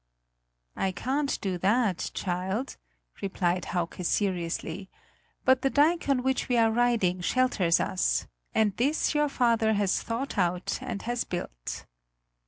"I can't do that, child," replied Hauke seriously; "but the dike on which we are riding shelters us, and this your father has thought out and has had built."